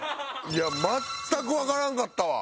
いや全くわからんかったわ。